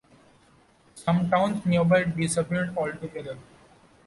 Some towns nearby disappeared altogether.